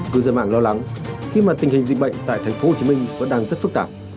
cư dân mạng lo lắng khi mà tình hình dịch bệnh tại tp hcm vẫn đang rất phức tạp